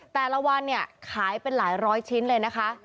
แต่ละวันเนี่ยขายเป็นหลายร้อยชิ้นเลยนะคะ